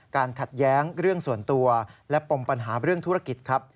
ขัดแย้งเรื่องส่วนตัวและปมปัญหาเรื่องธุรกิจครับ